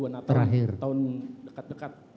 dua ribu dua puluh dua natal tahun dekat dekat